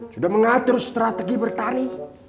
sudah mengatur strategi bertani